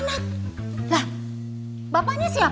lah bapaknya siapa